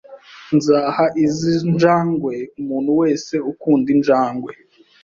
Nzaha izi njangwe umuntu wese ukunda injangwe.